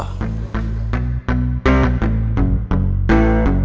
masih kurang berwibawa